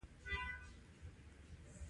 د احمد سپي غوا ته خوله ور اچولې ده.